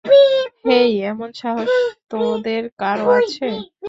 হেই, এমন সাহস তোদের কারো আছে?